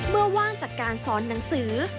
ว่าว่างจากการสอนหนังสือ